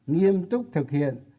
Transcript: nghiêm túc thực hiện